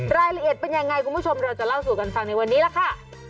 รายละเอียดเป็นยังไงคุณผู้ชมเราจะเล่าสู่กันฟังในวันนี้ล่ะค่ะ